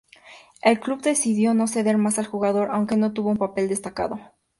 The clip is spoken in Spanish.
El club decidió no ceder más al jugador, aunque no tuvo un papel destacado.